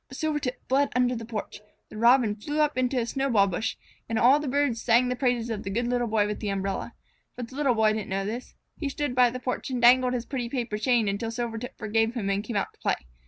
Silvertip fled under the porch, the Robin flew up onto the snowball bush, and all around the birds sang the praises of the good Little Boy with the umbrella. But the Little Boy didn't know this. He stood by the porch and dangled his pretty paper chain until Silvertip forgave him and came out to play.